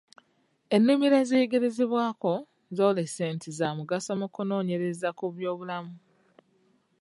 Ennimiro eziyigirizibwako zoolese nti za mugaso mu kunoonyere za ku byobulimi.